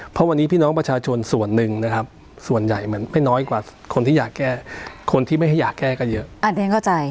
เพราะวันนี้พี่น้องประชาชนส่วนหนึ่งนะครับส่วนใหญ่มันไม่น้อยกว่าคนที่อยากแก้คนที่ไม่ให้อยากแก้ก็เยอะเข้าใจ